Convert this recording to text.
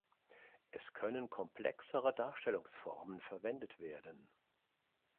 Es können komplexere Darstellungsformen verwendet werden.